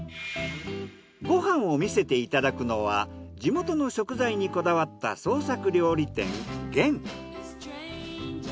ご飯を見せていただくのは地元の食材にこだわった創作料理店ＧＥＮ。